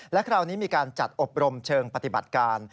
และคราวนี้มีการจัดอบรมเชิงปฏิบัติการ